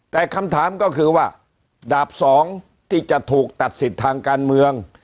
แต่คำถามก็คือว่าดาบสองที่จะถูกตัดสิทธิ์ทางการเมือง